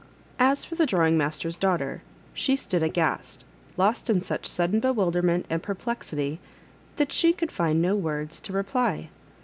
As for the draw ing master's daughter, she stood aghast, lost in such sudden bewilderment and perplexity that she could find no words to reply.